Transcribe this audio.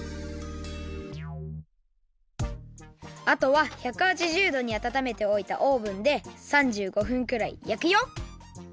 あとは１８０どにあたためておいたオーブンで３５分くらいやくよ。